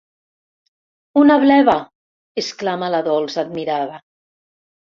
Una bleva!, exclama la Dols, admirada.